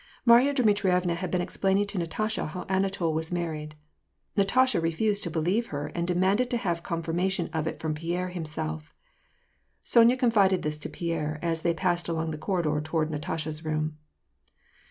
Marya Dmitrievna had been explaining to Natasha how Ana tol was maiTied. Natasha refused to believe her, and demanded to have confirmation of it from Pierre himself. Sonya con fided this to Pierre, as they passed along the corridor toward Natasha's room.